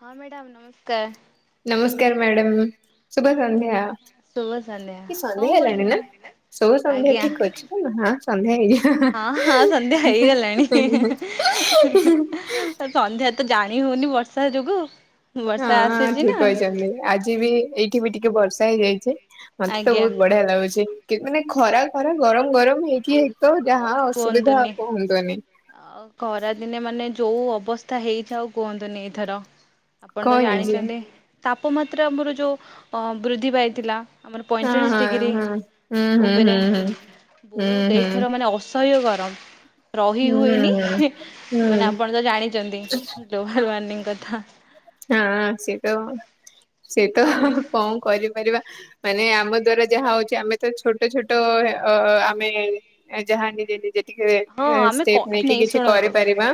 ହଁ ମ୍ୟାଡ଼ାାମ ନମସ୍କାର ନମସ୍କାର ମ୍ୟାଡ଼ମ୍ ଶୁଭ ସଂନ୍ଧ୍ୟା ଶୋଅସଲିଆ କଣ କରୁଛନ୍ତି ସବ ସନ୍ଧ୍ୟା ଆଜ୍ଞା ଠିକ ଅଛି ନା ସନ୍ଧ୍ୟା ହେଇଯ ହଁ ହଁ ସନ୍ଧ୍ୟା ହେଇଗଲାଣି ସନ୍ଧ୍ୟା ତ ଜାଣି ହଉନି ବର୍ଷା ଯୋଗୁ ବର୍ଷା ହଁ ଆସିଛି ଠିକ ନା କହିଛନ୍ତି ଆଜି ବି ଏଇଠି ବି ଟିକେ ବର୍ଷା ହେଇଯାଇଛିେ ମତେ ତ ଆଜ୍ଞା ବହୁତ ବଢିଆ ଲାଗୁଛି ମାନେ ଖରା ଖରା ଗରମ ଗରମ ହେଇକି ତ ଆଉ ଯାହା ଅସୁବିଧା କୁହନ୍ତୁନି କୁହନ୍ତୁନି ଆ ଖରାଦିନେ ମାନେ ଯୋଉ ଅବସ୍ଥା ହେଇଯାଉଉ କୁହନ୍ତୁନି ଏଥର ଆପଣ ତ କଣ ହେଇଛି? ଜାଣିଛନ୍ତି ତାପମାତ୍ରା ଆମର ଯୋଉ ଅ ବୃଦ୍ଧି ପାଇଥିଲା ଆମର ହଁ ପଇଁଚାଳିଶ ହଁ ଡିଗ୍ରୀ ହଁ ହୁଁ ହୁଁ ଉପରେ ହୁଁ ହୁଁ ବହୁତ ହୁଁ ଏଇ ଏଥିର ହୁଁ ମାନେ ଅସହ୍ୟ ଗରମ ରହି ହୁଁ ହୁଏନି। ହୁଁ ହୁଁ ମାନେ ଆପଣ ତ ଜାଣିଛନ୍ତି। ଗ୍ଲୋବାଲ ୱର୍ମିଙ୍ଗ କଥା। ହଁ ସେ ତ ସେ ତ ଆଉ କଣ କରିପାରିବା। ମାନେ ଆମ ଦ୍ଵାରା ଯାହା ହଉଛି ଆମେ ତ ଛୋଟ ଛୋଟ ଅ ଆମେ ଯାହା ନିଜେ ନିଜେ। ଟିକେ ହଁ ଆମେ ଷ୍ଟେପ କଫି ନେଇକି ନେଇ କିଛି ଶୁଣନ୍ତୁ। କରିପାରିବା।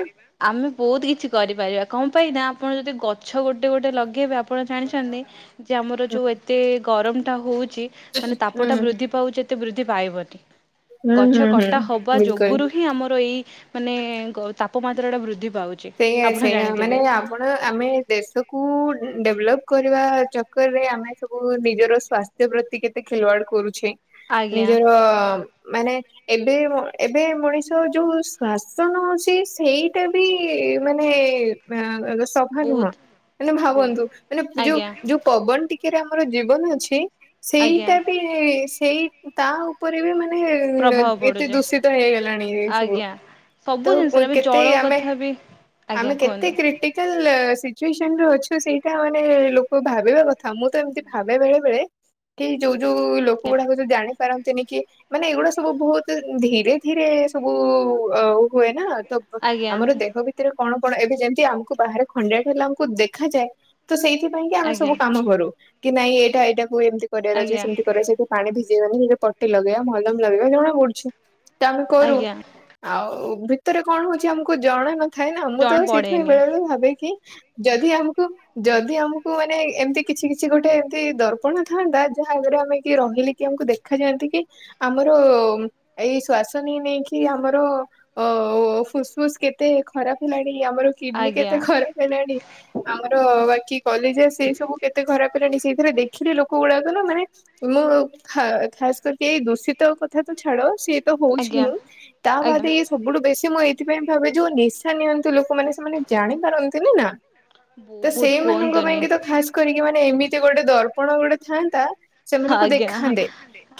ଆମେ ବହୁତ କିଛି କରିପାରିବା କଣ ପାଇଁ ନା ଆପଣ ଯଦି ଗଛ ଗୋଟେ ଗୋଟେ ଲଗେଇବେ ଆପଣ ଜାଣିଛନ୍ତି ଯେ ଆମର ହୁଁ ଯୋଉ ଏତେ ଗରମଟା ହଉଛି ଛି ମାନେ ତାପଟା ବୃଦ୍ଧି ପାଉଛି ଏତେ ବୃଦ୍ଧି ପାଇବନି ହୁଁ ଗଛ ହୁଁ ହୁଁ କଟା ହବା ଯୋଗୁ ବିଲକୁଲ ଯୋଗୁରୁ ହିଁ ଆମର ଏଇ ମାନେ ତାପମାତ୍ରା ଟା ବୃଦ୍ଧି ପାଉଛି। ସେଇଆ ଆପଣ ସେଇଆ ମାନେ ଜାଣିଥିବେ ଆପଣ ଆମେ ଦେଶକୁ ଡେଭଲପ୍ କରିବା ଚକରରେ ଆମେ ସବୁ ନିଜର ସ୍ଵାସ୍ଥ୍ୟ ପ୍ରତି କେତେ ଖେଲବାଡ କରୁଛେ। ଆଜ୍ଞା ନିଜର ମାନେ ଏବେ ଏବେ ମଣିଷ ଯୋଉ ଶ୍ଵାସ ନଉଛି ସେଇଟା ବି କି ମାନେ [unintelligible] ସଭା ନୁହଁ ବହୁତ ମାନେ ବୋ ଭାବନ୍ତୁ ମାନେ ଯୋଉ ଆଜ୍ଞା ଯୋଉ ପବନ ଟିକେରେ ଆମର ଜୀବନ ଅଛି। ଆଜ୍ଞା ସେଇଟା ବି ସେଇ ତା ଉପରେ ବି ମାନେ ପ୍ରଭାବ ଏତେ ପଡୁଛି ଦୂଷିତ ହେଇଗଲାଣି ଏ ସବୁ ଆଜ୍ଞା। ତ ସବୁ ଜିନିଷରେ ବି କେତେ ଜଳ ଆମେ କଥା ବି ଆଜ୍ଞା ଆମେ କେତେ କୁହନ୍ତୁ। କ୍ରିଟିକାଲ ସିଚୁଏସନରେ ଅଛୁ ସେଇଟା ମାନେ ଲୋକ ଭାବିବା କଥା ମୁଁ ତ ଏମିତି ଭାବେ ବେଳେ ବେଳେ କି ଯୋଉ ଯୋଉ ଲୋକ ଗୁଡାକ ଯୋଉ ଜାଣେ ପାରନ୍ତିନି କି ମାନେ ଏଇଗୁଡା ସବୁ ବହୁତ ଧୀରେ ଧୀରେ ସବୁ ହୁଏ ନା ତ ଆଜ୍ଞା ଆମର ଦେଖ ରେ କଣ କଣ ଏବେ ଯେମିତି ଆମକୁ ବାହାରେ ଖଡିଆଟେ ହେଲା ଆମକୁ ଦେଖାଯାଏ। ତ ସେଇଥି ପାଇଁଁ କି ଆମେ ଆଜ୍ଞା ସବୁ କାମ କରୁ କି ନାଇଁ ଏଇଟା ଏଇଟାକୁ ଏମତି କରିବାର ଅଛି ଆଜ୍ଞା ସେମିତି କରିବାର ଅଛି ସେଠି ପାଣି ଭିଜେଇ ବାନି ସେଥିରେ ପଟି ଲଗେଇବା ମଲମ ଲଗେଇବା ଜଣା ପଡୁଛି ତ ଆମେ କରୁ ଆଜ୍ଞା ଆଉ ଭିତରେ କଣ ହଉଛି ଆମକୁ ଜଣା ନଥାଏ ନା ମୁଁ ତ ଜଣେ ସେଇଥିପାଇଁ ପଡେନି ବେଳେ ବେଳେ ଭାବେ କିି ଯଦି ଆମକୁ ଯଦି ଆମକୁ ମାନେ ଏମତି କିଛି କିଛି ଗୋଟେ ଏମତି ଦର୍ପଣ ଥାନ୍ତା ଭାଗରେ ଆମେ କି ରହିଲେ କି ଆମକୁ ଦେଖା ଯାଆନ୍ତି କି ଆମର ଏଇ ଶ୍ଵାସ ନେଇ ନେଇକି କି ଆମର ଅ ଫୁସ୍ ଫୁସ୍ କେତେ ଖରାପ ହେଲାଣି ଆମର କିଡନୀ ଆଜ୍ଞା କେତେ ଖରାପ ହେଲାଣି ଆଉ ବାକି କଲିଜା ସେଇ ସବୁ କେତେ ଖରାପ ହେଲାଣି ସେଇଥିରେ ଦେଖିଲି ଲୋକ ଗୁଡାକ ନା ମାନେ ମୁଁ ଖ ଖାସ୍ କରିକି ଏଇ ଦୂଷିତ କଥା ତ ଛାଡ। ସିଏ ତ ହଉଛି ଆଜ୍ଞା ହିଁ ତା ଆଜ୍ଞା। ବାଦେ ଇଏ ସବୁଠୁ ବେଶୀ ମୁଁ ଏଇଥିପାଇଁ ଭାବେ ଯୋଉ ନି ନିଅନ୍ତୁ ଲୋକମାନେ ସେମାନେ ଜାଣିପାରନ୍ତି ନି ନା ତ ବହୁତ ସେଇମାନଙ୍କ କୁହନ୍ତୁନି ପାଇଁ କି ତ ଖାସ୍ କରିକି ମାନେ ଏମିତି ଗୋଟେ ଦର୍ପଣ ଗୋଟେ ଥାଆନ୍ତା। ସେମାନଙ୍କୁ ଆଜ୍ଞା ଦେଖାନ୍ତେ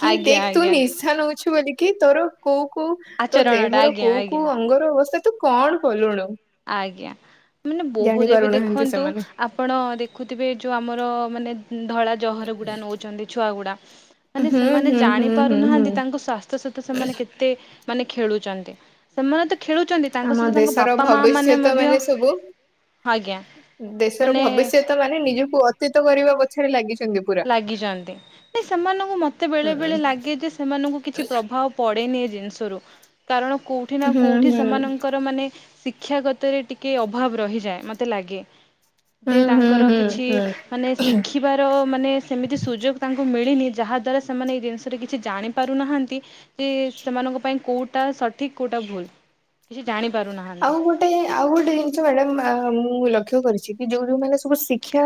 କି ଆଜ୍ଞା ଦେଖ ତୁ ଆଜ୍ଞା ନିଶା ନଉଛୁ ବୋଲିକି ତୋର କୋଉ କୋଉ ତୋ ଆଚରଣ ଟା ଦେହର ଆଜ୍ଞା କୋଉ ଆଜ୍ଞା। କୋଉ ଅଙ୍ଗର ଅବସ୍ଥା ତୁ କଣ କଲୁଣୁ? ଆଜ୍ଞା। ମାନେ ଜାଣି ବହୁତ ଏବେ ପାରୁନାହାନ୍ତି ଦେଖନ୍ତୁ ସେମାନେ। ଆପଣ ଦେଖୁଥିବେ ଯୋଉ ଆମର ମାନେ ଧଳା ଜହର ଗୁଡ଼ା ନେଉଛନ୍ତି ଛୁଆଗୁଡ଼ା। ମାନେ ହୁଁ ସେମାନେ ହୁଁ ହୁଁ ଜାଣି ହୁଁ ହୁଁ ପାରୁନାହାନ୍ତି ତାଙ୍କ ସ୍ୱାସ୍ଥ୍ୟ ସେମାନେ କେତେ ମାନେ ଖେଳୁଛନ୍ତି। ସେମାନେ ତ ଖେଳୁଛନ୍ତି ତାଙ୍କ ଆମ ସହିତ ତାଙ୍କ ଦେଶର ବାପା ମା ଭବିଷ୍ୟତ ମଧ୍ୟ ମାନେ ସବୁ ଆଜ୍ଞା ଦେଶର ମାନେ ଭବିଷ୍ୟତ ମାନେ ନିଜକୁ ତ କରିବା ପଛରେ ଲାଗିଛି ଲାଗିଛନ୍ତି ସେମାନଙ୍କୁ ମତେ ହୁଁ ବେଳେ ବେଳେ ଲାଗେ ଯେ ସେମାନଙ୍କୁ କିଛି ପ୍ରଭାବ ପଡେନି। ଏ ଜିନିଷରୁ କାରଣ କୋଉଠି ନା ହୁଁ କୋଉଠି ହୁଁ ସେମାନଙ୍କର ମାନେ ଶିକ୍ଷାଗତରେ ଟିକେ ଅଭାବ ରହିଯାଏ ମୋତେ ଲାଗେ। ହୁଁ ଯେ ହୁଁ ତାଙ୍କର ହୁଁ କିଛି ହୁଁ ମାନେ ଶିଖିବାର ମାନେ ସେମିତି ସୁଯୋଗ ତାଙ୍କୁ ମିଳିନି ଯାହାଦ୍ୱାରା ସେମାନେ ଏଇ ଜିନିଷରେ କିଛି ଜାଣିପାରୁନାହାନ୍ତି ଯେ ସେମାନଙ୍କ ପାଇଁ କୋଉଟା ସଠିକ କୋଉଟା ଭୁଲ କିଛି ଜାଣି- ଆଉ ଗୋଟେ ଆଉ ଗୋଟେ ଜିନିଷ ମ୍ୟାଡାମ ମୁଁ ଲକ୍ଷ୍ୟ କରିଛି କି ଯୋଉ ଯୋଉ ମାନେ ସବୁ ଶିକ୍ଷା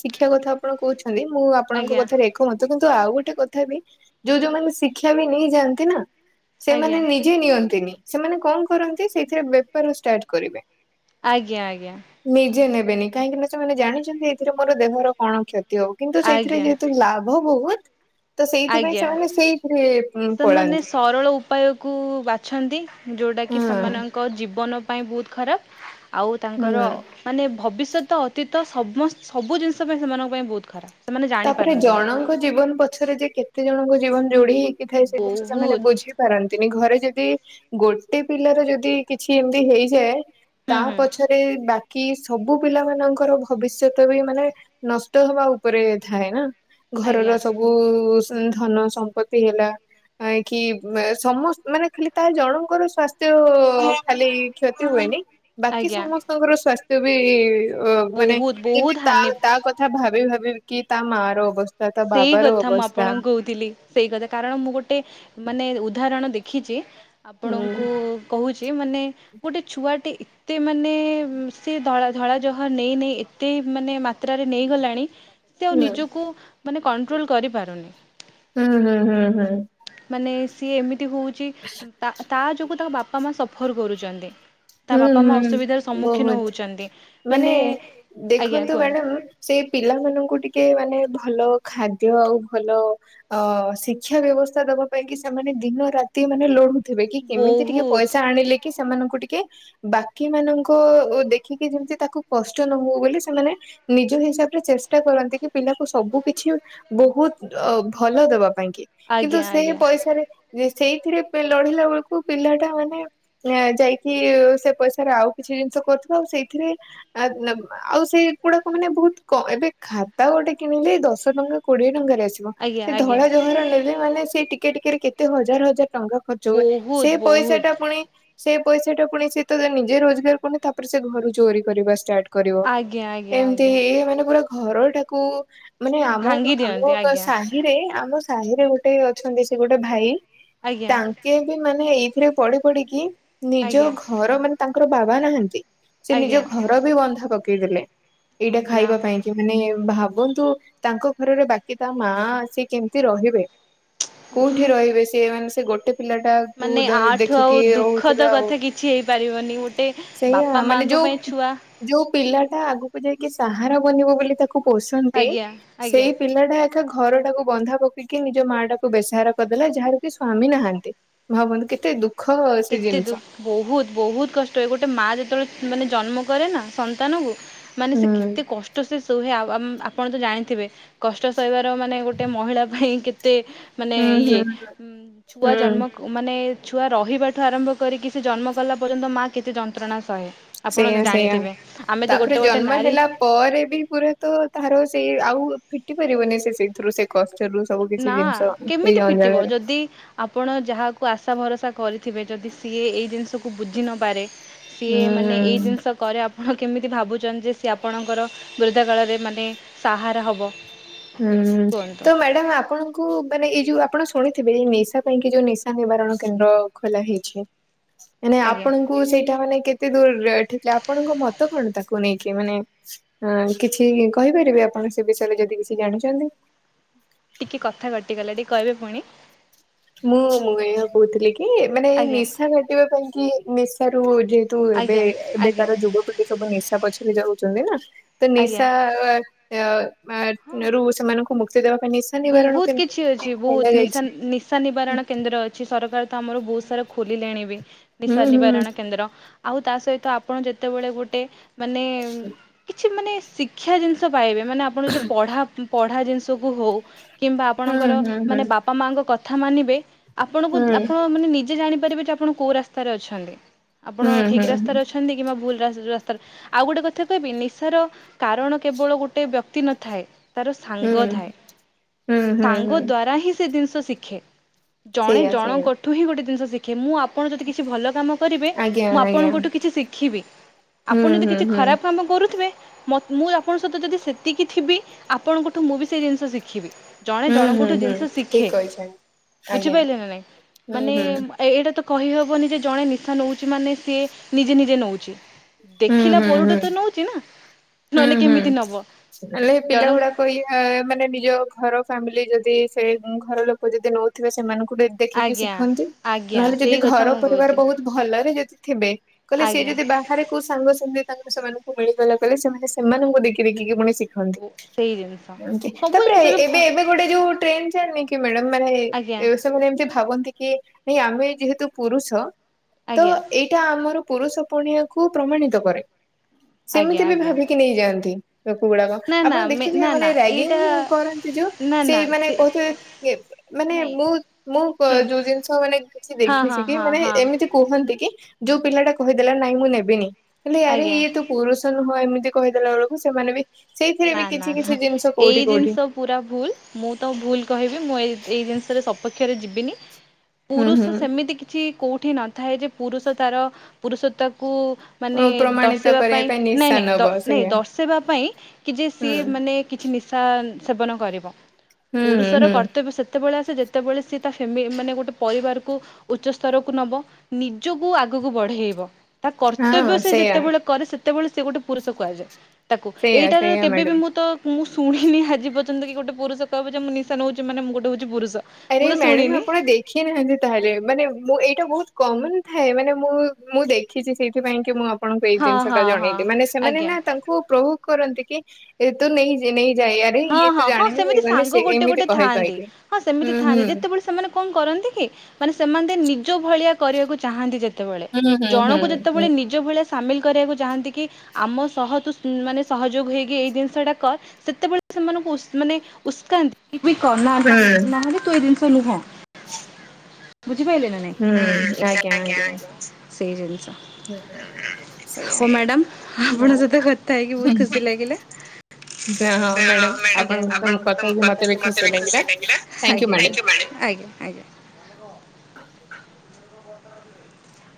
ଶିକ୍ଷା କଥା ଆପଣ କହୁଛନ୍ତି ମୁଁ ଆପଣଙ୍କ ଆଜ୍ଞା କଥାରେ ଏକମତ କିନ୍ତୁ ତ ଆଉ ଗୋଟେ କଥା ବି ଯୋଉ ଯୋଉମାନେ ଶିକ୍ଷା ବି ନେଇଯାଆନ୍ତି ନା ଆଜ୍ଞା ସେମାନେ ନିଜେ ନିଅନ୍ତିନି ସେମାନେ କଣ କରନ୍ତି ସେଇଥିରେ ବେପାର ଷ୍ଟାର୍ଟ କରିବେ। ଆଜ୍ଞା ଆଜ୍ଞା। ନିଜେ କାହିଁକି ନା ସେମାନେ ଜାଣିଛନ୍ତି ଏଥିରେ ମୋର ଦେହର କଣ କ୍ଷତି ହଉ କିନ୍ତୁ ସେଥିରେ ଆଜ୍ଞା ଯେହେତୁ ଲାଭ ବହୁତ ତ ସେଇଥିପାଇଁ ଆଜ୍ଞା ସେମାନେ ସେଇଥିରେ ଉଁ, ସେମାନେ ପଳାନ୍ତି। ସରଳ ଉପାୟ କ ବାଛନ୍ତି। କି ହୁଁ ସେମାନଙ୍କ ଜୀବନ ପାଇଁ ବହୁତ ଖରାପ ଆଉ ତାଙ୍କର ହୁଁ। ମାନେ ଭବିଷ୍ୟତ ସହିତ ଅତୀତ ସମ ସବୁ ଜିନିଷ ପାଇଁ ସେମାନଙ୍କ ପାଇଁ ବହୁତ ଖରାପ। ସେମାନେ ତାପରେ ଜାଣିପାରନ୍ତିନି ଜଣଙ୍କ ଜୀବନ ପଛରେ ଯେ କେତେ ଜଣଙ୍କ ଜୀବନ ଯୋଡି ହେଇକିଥାଏ ସେ ଜିନିଷ ସେମାନେ ବହୁତ ବୁଝିପାରନ୍ତିନି ଘରେ ଯେ ଯ ଗୋଟେ ପିଲାର ଯଦି କିଛି ଏମିତି ହେଇଯାଏ ହୁଁ ତା ହୁଁ ପଛରେ ବାକି କି ସବୁ ପିଲା ମାନଙ୍କର ଭବିଷ୍ୟତ ବି ମାନେ ନଷ୍ଟ ହବା ଉପରେ ଥାଏ ନାଁ। ଆଜ୍ଞା ଘରର ସବୁ ଧନ ସମ୍ପତ୍ତି ହେଲା କି ସମ ମାନେ ଖାଲି ତା ଜଣଙ୍କର ସ୍ଵାସ୍ଥ୍ୟ ଖାଲି କ୍ଷତି ହୁଏନି। ବାକି ଆଜ୍ଞା ସମସ୍ତଙ୍କର ସ୍ଵାସ୍ଥ୍ୟ ବି ଅ ମାନେ ବହୁତ ବହୁତ କିମତି ତା ହାନି ତା କଥା ଭାବି ଭାବିକି ତା ମା ର ଅବସ୍ଥା ତା ସେଇ ବାବାର କଥା ମୁଁ ଅବସ୍ଥା ଆପଣଙ୍କୁ କହୁଥିଲି ସେଇ କଥା କାରଣ ମୁଁ ଗୋଟେ ମାନେ ଉଦାହରଣ ଦେଖିଛି ହୁଁ ଆପଣଙ୍କୁ କହୁଛି ମାନେ ଗୋଟେ ଛୁଆଟି ଏତେ ମାନେ ସେ ଧଳା ଧଳା ଜହ ନେଇ ନେଇ ଏତେ ମାନେ ଯ ନେଇ ଗଲାଣି ସେ ଆଉ ହୁଁ ନିଜକୁ ମାନେ କଣ୍ଟ୍ରୋଲ କରିପାରୁନି। ହୁଁ ହୁଁ ହୁଁ ହୁଁ। ମାନେ ସିଏ ଏମିତି ହଉଛି ତା ଯୋଗୁ ତାଙ୍କ ବାପା ମା ସଫର କରୁଛନ୍ତି। ତା ହୁଁ ବାପା ମା ହୁଁ ଅସୁବିଧାର ସମ୍ମୁଖୀନ ବହୁତ ହଉଛନ୍ତି ମାନେ ଆଜ୍ଞା ଦେଖନ୍ତୁ କୁହନ୍ତୁ ମ୍ୟାଡାମ ସେଇ ପିଲାମାନଙ୍କୁ ଟିକେ ମାନେ ଭଲ ଖାଦ୍ୟ ଆଉ ଭଲ ଅ ଶିକ୍ଷା ବ୍ୟବସ୍ଥା ଦବା ପାଇଁ କି ସେମାନେ ଦିନ ରାତି ମାନେ ଲଢୁଥିବେ କି କେମିତି ଟିକେ ବହୁତ ପଇସା ଆଣିଲେ କି ସେମାନଙ୍କୁ ଟିକେ ବାକି ମାନଙ୍କ ଦେଖିକି ଯେମିତି ତାକୁ କଷ୍ଟ ନ ହଉ ବୋଲି ସେମାନେ ନିଜ ହିସାବରେ ଚେଷ୍ଟା କରନ୍ତି କି ପିଲାକୁ ସବୁ କିଛି ବହୁତ ଅ ଭଲ ଦବା। ପାଇଁ କି କିନ୍ତୁ ଆଜ୍ଞା ସେ ଆଜ୍ଞା ପଇସାରେ ସେଇଥିରେ ଲଢିଲା ବେଳକୁ ପିଲା ଟା ମାନେ ଯାଇ ସେ ପଇସାରେ ଆଉ କିଛି ଜିନିଷ କରୁଥିବା ଆଉ ସେଇଥିରେ ଆଉ ସେଇ କୁଡାକ ମାନେ ବହୁ ଏବେ ଖାତା ଗୋଟେ କିଣିଲେ ଦଶ ଟଙ୍କା କୋଡିଏଙ୍କା ଙ୍କ ଆସିବ ଆଜ୍ଞା ସେ ଆଜ୍ଞା ଧଳା ଜହର ନେଲେ ମାନେ ସେ ଟିକେ ଟିକେ କେତେ ହଜାର ହଜାର। ଟଙ୍କା ଖର୍ଚ୍ଚ ହୁଏ ବହୁତ ସେ ପଇସା ବହୁତ ଟା ପୁଣି ସେ ପଇସା ଟା ପୁଣି ସେ ତ ନିଜେ ରୋଜଗାର ପୁ ତାପରେ ସେ ଘରୁ ଚୋରି କରିବା ଷ୍ଟାର୍ଟ କରିବ ଆଜ୍ଞା ଆଜ୍ଞା ଏମିତି ଆଜ୍ଞା ଇଏ ମାନେ ପୁରା ଘର ଟାକୁ ମାନେ ଆମ ଭାଙ୍ଗି ଆମ ଦିଅନ୍ତି ଆଜ୍ଞା ସାହିରେ ଆମ ସାହିରେ ଗୋଟେ ଅଛନ୍ତି ସେ ଗୋଟେ ଭାଇ ଆଜ୍ଞା ତାଙ୍କେ ବି ମାନେ ଏଇଥିରେ ପଢି ପଢିକି ନିଜ ଆଜ୍ଞା ଘର ମାନେ ତାଙ୍କର ବାବା ନାହାନ୍ତି। ସେ ନିଜ ଆଜ୍ଞା ଘର ବି ବନ୍ଧା ପକେଇ ଦେଲେ। ଏଇଟା ଆଜ୍ଞା ଖାଇବା ପାଇଁ କି ମାନେ ଓହୋ ଭାବନ୍ତୁ ତାଙ୍କ ଘରରେ ବାକି ତା ମା ସିଏ କେମିତି ରହିବେ କୋଉଠି ରହିବେ ସିଏ ମାନେ ସେ ଗୋଟେ ପିଲା ଟା କ ଦେଖିକି ରହୁ ଦୁଖଦ କଥା କିଛି ହେଇପାରିବନି ଗୋଟେ ସେଇଆ ବାପା ମାନେ ମାଙ୍କ ଯୋଉ ପାଇଁ ଛୁଆ ଯୋଉ ପିଲାଟା ଆଗକୁ ଯାଇକ ସାହାର ବନିବ ବୋଲି ତାକୁ ପୋଷନ୍ତି ଆଜ୍ଞା ସେଇ ଆଜ୍ଞା ପିଲାଟା ଏକା ଘର ଟାକୁ ବନ୍ଧା ପକି ନିଜ ମା ଟାକୁ ବେସାହାର କରିଦେଲା ଯାହାର କି ସ୍ଵାମୀ ନାହାନ୍ତି ଭାବନ୍ତୁ କେତେ ଦୁଃଖ। ସେ କେତେ ଜିନିଷ ଦୁ ବହୁତ ବହୁତ କଷ୍ଟ ହୁଏ ଗୋଟେ ମା ଯେତେବେଳେ ମାନେ ଜନ୍ମ କରେ ନା ସନ୍ତାନ କୁ ମାନେ ହୁଁ ସେ କେତେ କଷ୍ଟ ସେ ତୁହେ ଆ ଆମ୍ ଆପଣ ତ ଜାଣିଥିବେ କଷ୍ଟ ସରିବାର ମାନେ ଗୋଟେ ମହିଳା ପାଇଁ କେ ତେ ମାନେ ହୁଁ ଇଏ ହୁଁ ଛୁଆ ଜନ୍ମ ହୁଁ ମାନେ ଛୁଆ ରହିବା। ଠୁ ଆରମ୍ଭ କରିକି ସେ ଜନ୍ମ କଲା ପର୍ଯ୍ୟନ୍ତ ମା କେତେ ଯନ୍ତ୍ରଣା ସହେ। ଆପଣ ସେୟା ସେୟା ଜାଣିଥିବେ ଆମେ ତ ଗୋଟେ ତାପରେ ଗୋଟେ ଜନ୍ମ ନାରୀ ହେଲା ପରେ ବି ପୁରା ତ ତାର ସେଇ ଆଉ ଉ ଫିଟି ପାରିବନି ସିଏ ସେଇଥିରୁ ସେ କସ୍ ନା କେମିତି ଫିଟିବ ଯଦି ଆପଣ ଯାହାକୁ ଆଶା ଭରସା- କରିଥିବେ ଯଦି ସିଏ ଏଇ ଜିନିଷକୁ ବୁଝି ନପାରେ ସିଏ ମାନେ ଏଇ ହୁଁ। ଜିନିଷ କରେ ଆପଣ କେମିତି ଭାବୁଚନ୍ତି ଯେ ସିଏ ଆପଣଙ୍କର ବୃଦ୍ଧା କାଳରେ ମାନେ ସାହାର ହବ। ହୁଁ ତ କୁହନ୍ତୁ ମ୍ୟାଡାମ ଆପଣ ଙ୍କୁ ମାନେ ଏଇ ଯୋଉ ଆପଣ ଶୁଣିଥିବେ ନିଶା ପାଇଁ କି ଯୋଉ ନିଶା ନିବାରଣ କେନ୍ଦ୍ର ଖୋଲା ହେଇଛି। ମାନେ ଆଜ୍ଞା। ଆପଣଙ୍କୁ ସେଇଟା ମାନେ କେତେ ଦୂରରେ ଏଠିଥିଲା ଆପଣଙ୍କ ମତ କଣ ତାକୁ ନେଇକି ମାନେ ଉଁ କିଛି କହିପାରିବେ। ଆପଣ ସେ ବିଷୟରେ ଯଦି କିଛି ଜାଣିଚନ୍ତି। ଟିକେ କଥା କଟିଗଲା ଟିକେ କହିବେ ପୁଣି ମୁଁ ମୁଁ ଏଇଆ କୋହୁଥିଲି କି ମାନେ ଆଜ୍ଞା ନିଶା କାଟିବା ପାଇଁ କି ନିଶାରୁ ଯେହେତୁ ଏବେ ଆଜ୍ଞା ଏବେ ଆଜ୍ଞା କାର ଯୁବପିଢ଼ି ସବୁ ନିଶା ପଛରେ ଯାଉଚନ୍ତି ନା ତ ଆଜ୍ଞା ନିଶା ଅଁ ଆଁ ହଁ। ରୁ ସେମାନଙ୍କୁ ମୁକ୍ତି ଦେବା ପାଇଁ ନିଶା ନିବାରଣ ବହୁତ କେନ୍ଦ୍ର କିଛି ଟିଏ ଅଛି ବହୁତ ଖୋଲ ନିଶା ଯାଇଛି। ନିଶା ନିବାରଣ କେନ୍ଦ୍ର ଅଛି ସରକାର ତ ଆମର ବୋହୁତ ସାରା ଖୋଲିଲେଣି ବି ହୁଁ ନିଶା ହୁଁ ନିବାରଣ କେନ୍ଦ୍ର ଆଉ ତା ସହିତ ଆପଣ ଯେତେବେଳେ ଗୋଟେ ମାନେ କିଛି ମାନେ ଶିକ୍ଷା ଜିନିଷ ପାଇବେ ମାନେ ଆପଣ ଯଦି ପଢା ପଢା ଜିନିଷ କୁ ହୋଉ। କିମ୍ବା ହୁଁ ଆପଣଙ୍କର ହୁଁ ହୁଁ ମାନେ ବାପା ମାଆଙ୍କ କଥା ମାନିବେ ଆପଣଙ୍କୁ ହୁଁ ଆପଣ ମାନେ ନିଜେ ଜାଣି ପାରିବେ ଯେ ଆପଣ କୋଉ ରାସ୍ତାରେ ଅଛନ୍ତି। ଆପଣ ହୁଁ ଠିକ୍ ହୁଁ ରାସ୍ତାରେ ଅଛନ୍ତି କିମ୍ବା ଭୁଲ୍ ରାଜ୍ ରାସ୍ତାରେ ଆଉ ଗୋଟେ କଥା କହିବି ନିଶାର କାରଣ କେବଳ ଗୋଟେ ବ୍ୟକ୍ତି ନଥାଏ। ତାର ହୁଁ ସାଙ୍ଗ ଥାଏ ହୁଁ ହୁଁ ହୁଁ। ସାଙ୍ଗ ଦ୍ଵାରା ହିଁ ସେ ଜିନିଷ ଶିଖେ। ଜଣେ ସେଇଆ ସେଇଆ ଜଣଙ୍କଠୁ ହିଁ ଗୋଟେ ଜିନିଷ ଶିଖେ ମୁଁ ଆ ପଣ ଯଦି କିଛି ଭଲ କାମ କରିବେ ଆଜ୍ଞା ମୁଁ ଆଜ୍ଞା ଆପଣଙ୍କଠୁ କିଛି ଶିଖିବି। ହୁଁ ଆପଣ ଯଦି ହୁଁ କିଛି ହୁଁ ଖରାପ କାମ କରୁଥୁବେ। ମତ୍ ମୁଁ ଆପଣଙ୍କ ସହିତ ଯଦି ସେତିକି ଥିବି ଆପଣଙ୍କଠୁ ମୁଁ ବି ସେଇ ଜିନିଷ ଶିଖିବି। ଜଣେ ହୁଁ ହୁଁ ଜଣଙ୍କଠୁ ହୁଁ ଜିନିଷ ଠିକ ଶିଖେ କହିଛନ୍ତି। ଆଜ୍ଞା ବୁଝିପାଇଲେ ନା ନାଇଁ ହୁଁ ମାନେ ହୁଁ ମ ଏଇଡା ତ କହିହବନି ଯେ ଜଣେ ନିଶା ନୋଉଚି ମାନେ ସିଏ ନିଜେ ନିଜେ ନୋଉଚି। ହୁଁ ଦେଖିଲା ହୁଁ ପରଟୁ ହୁଁ ତ ନୋଉଚି ନା ହୁଁ ନହେଲେ ହୁଁ କେମିତି ନବ। ହେଲେ ପିଲା ଜଣ ଗୁଡାକ ଇହା ମାନେ ନିଜ ଘର ଫ୍ୟାମିଲି ଯଦି ସେ ଉଁ ଘର ଲୋକୋ ଯଦି ନୋଉଥୁବେ ସେମାନଙ୍କୁ ଗୋଟେ ଦେଖିକି ଆଜ୍ଞା ଶିଖନ୍ତି ଆଜ୍ଞା ନହେଲେ ସେଇ ଯଦି କଥା ଘର ମୁଁ ପରିବାର କହୁଛି ବହୁତ ଭଲରେ ଯଦି ଥିବେ। କହିଲେ ସିଏ ଆଜ୍ଞା। ଯଦି ବାହାରେ କୋଉ ସାଙ୍ଗ ସାଙ୍ଗେ ତାଙ୍କର ସେମାନଙ୍କୁ ମିଳିଗଲା କହଲେ ସେମାନେ ସେମାନଙ୍କୁ ଦେଖି ଦେଖି କି ପୁଣି ଶିଖନ୍ତି ବୋ ସେଇ ଜିନିଷ ଏମତି ସବୁ ତାପରେ ଜିନିଷ ଏବେ ଭ ଏବେ ଗୋଟେ ଯୋଉ ଟ୍ରେଣ୍ଡ ଚାଲିନିକି ମ୍ୟାଡାମ ମାନେ ଆଜ୍ଞା ଏବେ ସେମାନେ ଏମିତି ଭାବନ୍ତି କି ନାଇଁ ଆମେ ଯେହେତୁ ପୁରୁଷ ତ ଆଜ୍ଞା ଏଇଟା ଆମର ପୁରୁଷ ପଣିଆକୁୁ ପ୍ରମାଣିତ କରେ। ଆଜ୍ଞା ଆଜ୍ଞା। ପିଅନ୍ତି। ଫେକୁ ଗୁଡାକ ନା ନା ଆପଣ ମେ ଦେଖିଥିବେ ନା ମାନେ ନା ଏଇଟା ରାଗିଙ୍ଗ କରନ୍ତି ଯୋଉ ନା ନା ସେଇ ମାନେ ସେ କୋହୁଥିବେ ଇଏ ମାନେ ନାଇଁ ମୁଁ ମୁଁ ଯୋଉ ଜିନିଷ ମାନେ କିଛି ହଁ ଦେଖିଛି ହଁ କି ହଁ ମାନେ ହଁ ଏମିତି କୁହନ୍ତି କି ଯୋଉ ପିଲାଟା କହିଦେଲା ନାଇଁ ମୁଁ ନେବିନି ହେଲେ ଆରେ ଆଜ୍ଞା ଇଏ ତୁ ପୁରୁଷ ନୁହଁ ଏମିତି କହିଦେଲା ବେଳୁକୁ ସେମାନେ ବି ସେଇଥିରେ ନାଁ ବି କିଛି ନାଁ କିଛି ନାଁ ଜିନିଷ ଏଇ କୋଉଠି କୋଉଠି ଜିନିଷ ପୁରା ଭୁଲ ମୁଁ ତ ଭୁଲ କହିବି ମୁଁ ଏ ଏଇ ଜିନିଷରେ ସପକ୍ କ୍ଷରେ ଯିବିନି ହୁଁ ପୁରୁଷ ସେମିତି କିଛି କୋଉଠି ନଥାଏ ଯେ ପୁରୁଷ ତାର ପୁରୁଷତା କୁ ମାନେ ହୁଁ ପ୍ରମାଣିତ ଦର୍ଶେଇବା କରିବା ପାଇଁ ନାଇଁ ନିଶା ନାଇଁ ଦ ନବ ନାଇଁ ସେଇଆ ଦର୍ଶେଇବା ପାଇଁ କି ଯେ ହୁଁ ସିଏ ମାନେ କିଛି ନିଶା ସେବନ କରିବ ହୁଁ ହୁଁ ପୁରୁଷର ହୁଁ। କର୍ତ୍ତବ୍ୟ ସେତେବେଳେ। ଯେତେବେଳେ ସିଏ ତା ଫିଲ ମାନେ ଗୋଟେ ପରିବାରକୁ ଉଚ୍ଚସ୍ତରକୁ ନବ ନିଜକୁ ଆଗକୁ ବଢ ବଢେଇବ। ତା କର୍ତ୍ତବ୍ୟ ହଁ ସେ ସେଇଆ ଯେତେବେଳେ କରେ ସେତେବେଳେ ସେ ଗୋଟେ ପୁରୁଷ କୁହାଯାଏ ତାକୁ ସେଇଆ ଏଇଟାର ସେଇଆ କେବେ ବି ମ୍ୟାଡାମ। ମୁଁ ତ ମୁଁ ଶୁଣିନି ଆଜି ପର୍ଯ୍ୟନ୍ତ କି ଗୋଟେ ପୁରୁଷ କହିବଯେ ମୁଁ ନିଶା ନଉଛି ମାନେ ମୁଁ ଗୋଟେ ହଉଛି ପୁରୁଷ। ଆରେ ମୁଁ ତ ମ୍ୟାଡାମ ଶୁଣିନି ଆପଣ ଦେଖି ନାହାନ୍ତି ତାହେଲେ ମାନେ ମୁଁ ଏଇଟା ବହୁତ। କମନ ଥାଏ ମାନେ ମୁଁ ମୁଁ ଦେଖିଛି ସେଇଥିପାଇଁ କି ମୁଁ ଅପ ଆପଣଙ୍କୁ ଏଇ ହଁ ଜିନିଷ ଟା ହଁ ହଁ ଜଣେଇଲି ମାନେ ସେମାନେ ଆଜ୍ଞା। ନା ତାଙ୍କୁ ପ୍ରଭୁ କରନ୍ତି କି ଏ ତୁ ନେଇ ନେଇ। ଯାଇ ଆରେ ହଁ ଇଏ ହଁ ତ ହଁ ଜାଣିନି ଇଏ ସେମିତି ଗଲେ ସେ ଏମିତି କହି କହିକି। ହୁଁ ହୁଁ ଥାନ୍ତି ଯେତେବେଳେ ସେମାନେ କଣ କରନ୍ତି କି ମାନେ ସେମାନେ ନିଜ ଭଳିଆ କରିବାକୁ ଚାହାନ୍ତି ଯଦି ଯେତେବେଳେ ହୁଁ ହୁଁ ଜଣକୁ ହୁଁ ଯେତେବେଳେ ନିଜ ଭଳିଆ। ସାମିଲ କରିବାକୁ ଚାହାନ୍ତି କି ଆମ ସହ ତୁ ମାନେ ସହଯୋଗ ହେଇକି ଏଇ ଜିନିଷ ଟା କର୍ ସେତେବେଳେ। ସେମାନଙ୍କୁ ମାନେ ଉସକାନ୍ତି କି ହୁଁ [unintelligible] ନାହାନ୍ତି ତୁ ଏଇ ଜିନିଷ ତୁ ନୁହ। [inaudible] ବୁଝି ପାଇଲେ ନା ନାହିଁ। ଆଜ୍ଞା ଆଜ୍ଞା ସେଇ ଜିନିଷ। ହୁଁ ସେଇଆ ହଉ ମ୍ୟାଡାମ ଆପଣଙ୍କ ସହିତ କଥା ହେଇକି ବହୁତ ହୁଁ। ଖୁସି ଲାଗିଲା। ହଉ ଆଜ୍ଞା ଅପଙ୍କ ସହିତ କଥା ହେଇକି ମତେ ବି ଖୁସି ଲାଗିଲା। ଆଜ୍ଞା ଆଜ୍ଞା। [inaudible]